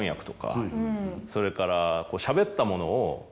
それから。